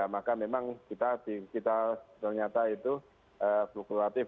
maka memang kita ternyata itu fluktuatif